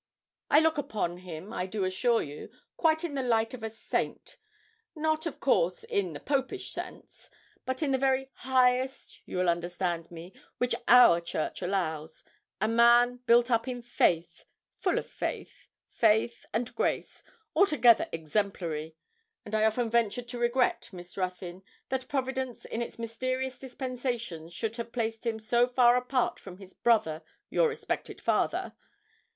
I look upon him, I do assure you, quite in the light of a saint; not, of course, in the Popish sense, but in the very highest, you will understand me, which our Church allows, a man built up in faith full of faith faith and grace altogether exemplary; and I often ventured to regret, Miss Ruthyn, that Providence in its mysterious dispensations should have placed him so far apart from his brother, your respected father.